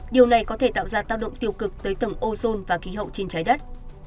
điều này có thể tạo ra tác động tiêu cực tới tầng ozone và khí hậu trên trái đất